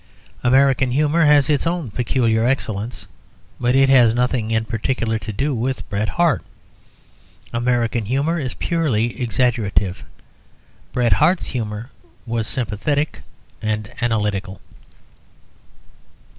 American humour has its own peculiar excellence, but it has nothing in particular to do with Bret Harte. American humour is purely exaggerative; Bret Harte's humour was sympathetic and analytical.